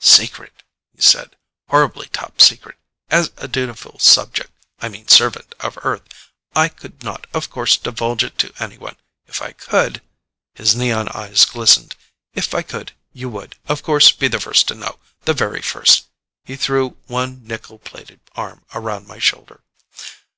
"Secret," he said. "Horribly top secret. As a dutiful subject I mean servant of Earth, I could not, of course, divulge it to anyone. If I could " his neon eyes glistened, "if I could, you would, of course, be the first to know. The very first." He threw one nickel plated arm about my shoulder.